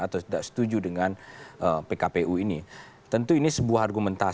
tapi dijawab setelah jeda